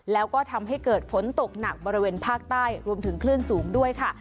แล้วก็ทำให้เกิดฝนตกหนักบริเวณภาคใต้รวมถึงคลื่นสูงด้วยค่ะ